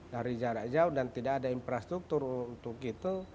dari jarak jauh dan tidak ada infrastruktur untuk itu